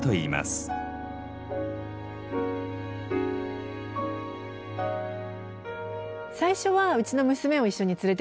最初はうちの娘を一緒に連れていってたんですね。